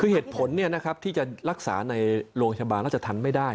คือเหตุผลที่จะรักษาในโรงพยาบาลราชธรรมไม่ได้